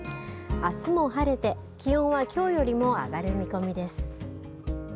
あすも晴れて、気温はきょうよりも上がる見込みです。